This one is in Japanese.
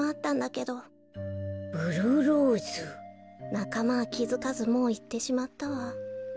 なかまはきづかずもういってしまったわ。